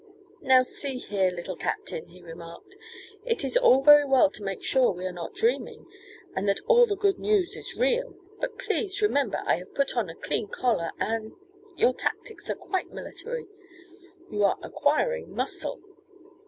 "Now, see here, Little Captain," he remarked, "it is all very well to make sure we are not dreaming, and that all the good news is real, but please remember I have put on a clean collar and your tactics are quite military. You are acquiring muscle."